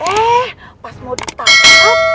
eh pas mau ditangkap